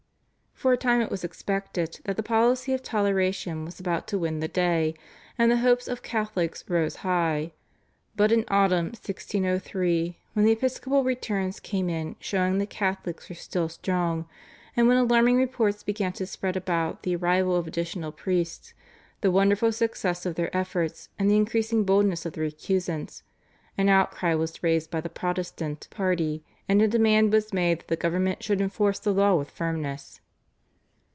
For a time it was expected that the policy of toleration was about to win the day, and the hopes of Catholics rose high; but in autumn (1603) when the episcopal returns came in showing that Catholics were still strong, and when alarming reports began to spread about the arrival of additional priests, the wonderful success of their efforts, and the increasing boldness of the recusants, an outcry was raised by the Protestant party, and a demand was made that the government should enforce the law with firmness.